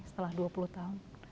setelah dua puluh tahun